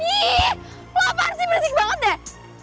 ih lo apaan sih berisik banget deh